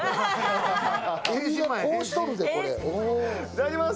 いただきます。